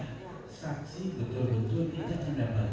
tenang ya para pemenang jenang